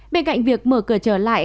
bên cạnh việc mở cửa trở lại